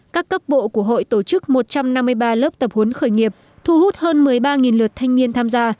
các cấp bộ của hội tổ chức một trăm năm mươi ba lớp tập huấn khởi nghiệp thu hút hơn một mươi ba lượt thanh niên tham gia